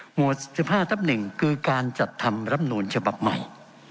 หัว๑๕ทับ๑คือการจัดทำรับนูลฉบับใหม่